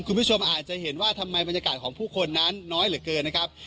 คุณผู้ชมอาจจะเห็นว่าทำไมบรรยากาศของผู้คนนั้นน้อยเหลือเกินนะครับ